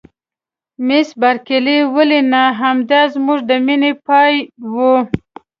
مس بارکلي: ولې نه؟ همدای زموږ د مینې پای و.